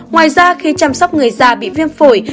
ngoài ra khi chăm sóc người già bị viêm phổi